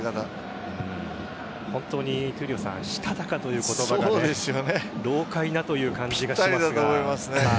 本当にしたたかという言葉が老獪なという感じがしますが。